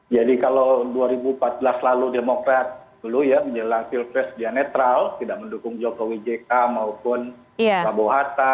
jadi kalau dua ribu empat belas lalu demokrat dulu ya menjelang pilpres dia netral tidak mendukung jokowi jk maupun prabowo hatta